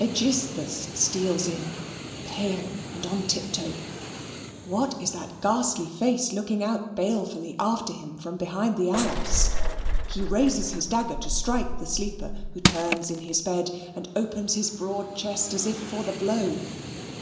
Aegisthus steals in pale and on tiptoe. What is that ghastly face looking out balefully after him from behind the arras? He raises his dagger to strike the sleeper, who turns in his bed, and opens his broad chest as if for the blow.